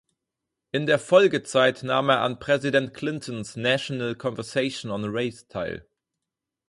In der Folgezeit nahm er an Präsident Clintons „National Conversation on Race“ teil.